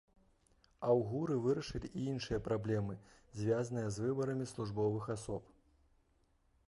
Аўгуры вырашалі і іншыя праблемы, звязаныя з выбарамі службовых асоб.